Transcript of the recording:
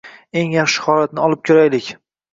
Eng yaxshi holatni olib koʻraylik